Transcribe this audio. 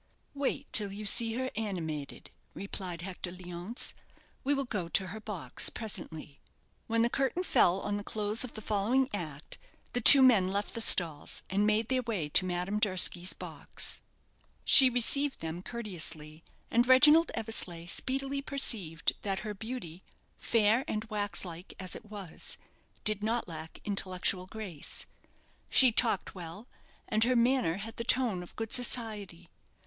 "Wait till you see her animated," replied Hector Leonce. "We will go to her box presently." When the curtain fell on the close of the following act the two men left the stalls, and made their way to Madame Durski's box. She received them courteously, and Reginald Eversleigh speedily perceived that her beauty, fair and wax like as it was, did not lack intellectual grace. She talked well, and her manner had the tone of good society.